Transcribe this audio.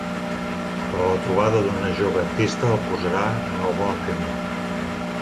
Però la trobada d'una jove artista el posarà en el bon camí.